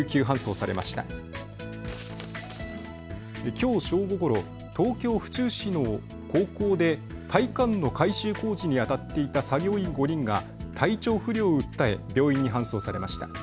きょう正午ごろ、東京府中市の高校で体育館の改修工事にあたっていた作業員５人が体調不良を訴え病院に搬送されました。